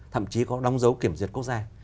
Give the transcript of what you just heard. thậm chí có đóng dấu kiểm duyệt quốc gia